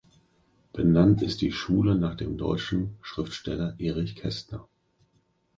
Benannt ist die Schule nach dem deutschen Schriftsteller Erich Kästner.